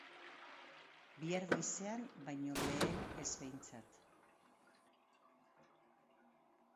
Bihar goizean baino lehen ez behintzat.